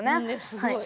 すごい！